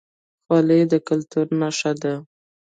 خولۍ د کلتور نښه ده